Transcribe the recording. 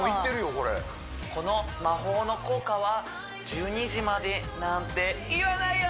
これこの魔法の効果は１２時までなんて言わないよ！